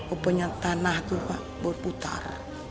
oh punya tanah tuh pak berputar